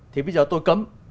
thì bây giờ tôi cấm